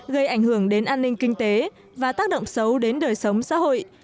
gây ảnh hưởng đến an ninh kinh tế và tác động xấu đến đời sống xã hội